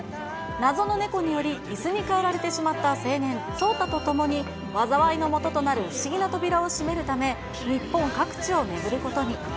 謎の猫により、いすに変えられてしまった青年、草太と共に、災いのもととなる不思議な扉を閉めるため、日本各地を巡ることに。